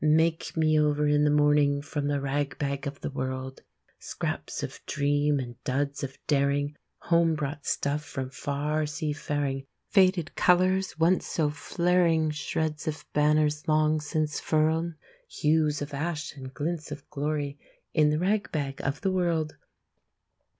Make me over in the morning From the rag bag of the world! Scraps of dream and duds of daring, Home brought stuff from far sea faring, Faded colors once so flaring, Shreds of banners long since furled! Hues of ash and glints of glory, In the rag bag of the world!